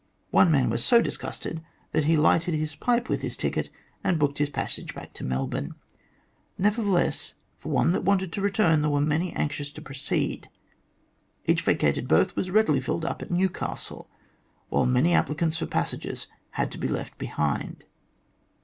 One man was so disgusted that he lighted his pipe with his ticket and booked his passage back to Melbourne. Nevertheless, for one that wanted to return, there were many anxious to proceed. Each vacated berth was readily filled up at Newcastle, while many applicants for passages had to be left behind.